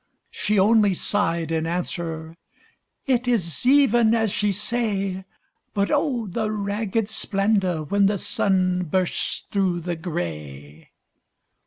She only sighed in answer, "It is even as ye say, But oh, the ragged splendor when the sun bursts through the gray!"